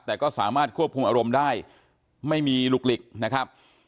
แต่ก็สามารถควบคุมอารมณ์ได้ไม่มีหลุกหลีกนะครับ